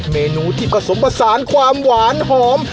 เมนูที่ผสมผสานความหวานหอม